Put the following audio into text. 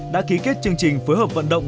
đã ký kết chương trình phối hợp vận động